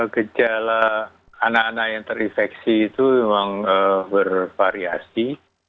gejala anak anak yang terinfeksi itu memang bervariasi